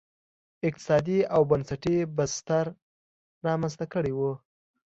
اقتصادي او بنسټي بستر رامنځته کړی و.